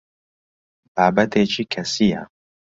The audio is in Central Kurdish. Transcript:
بابەتێکی کەسییە.